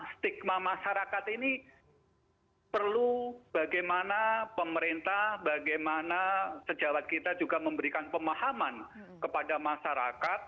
stigma masyarakat ini perlu bagaimana pemerintah bagaimana sejawat kita juga memberikan pemahaman kepada masyarakat